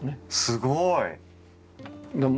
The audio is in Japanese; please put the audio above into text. すごい！